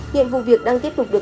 hiện vụ việc đang tiếp tục được